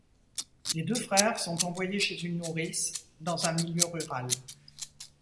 Les deux frères sont envoyés chez une nourrice, dans un milieu rural.